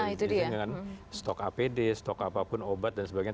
tadi sudah di inser dengan stok apd stok apapun obat dan sebagainya